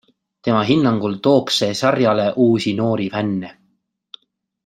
Tema hinnangul tooks see sarjale uusi noori fänne.